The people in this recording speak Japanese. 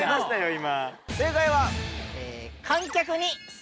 今。